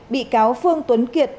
bị cáo phương tuấn kiệt